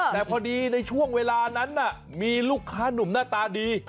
แต่พอดีในช่วงเวลานั้นมีลูกค้านุ่มหน้าตาดี